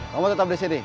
kamu tetap disini